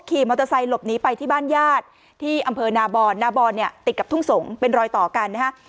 ขี่มอเตอร์ไซค์หลบหนีไปที่บ้านญาติที่อำเภอนาบอนนาบอนเนี่ยติดกับทุ่งสงศ์เป็นรอยต่อกันนะฮะ